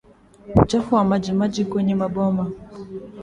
Uchafu wa majimaji kwenye maboma